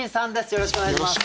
よろしくお願いします。